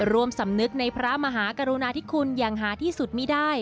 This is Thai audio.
สำนึกในพระมหากรุณาธิคุณอย่างหาที่สุดมีได้